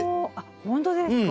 本当ですか。